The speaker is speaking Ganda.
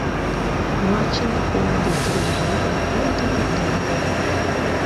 Lwaki nakuwandiikira ebbaluwa n’otagiddamu?